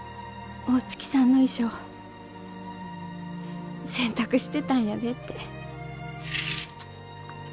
大月さんの衣装洗濯してたんやでって。